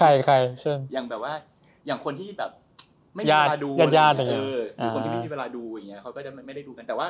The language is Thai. อย่างแบบว่าอย่างคนที่ไม่เวลาดู